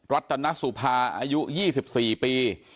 รัตนสุภาอายุ๒๔ปี